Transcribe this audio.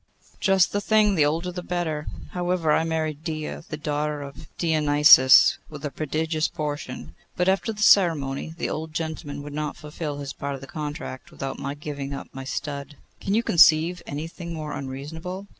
'Just the thing; the older the better. However, I married Dia, the daughter of Deioneus, with a prodigious portion; but after the ceremony the old gentleman would not fulfil his part of the contract without my giving up my stud. Can you conceive anything more unreasonable?